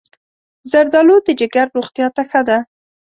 زردالو د جگر روغتیا ته ښه ده.